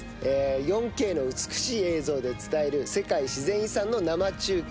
４Ｋの美しい映像で伝える世界自然遺産の生中継。